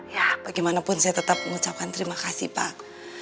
ya bagaimanapun saya tetap mengucapkan terima kasih pak